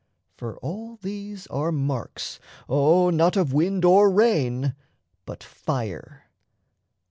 For all these Are marks, O not of wind or rain, but fire.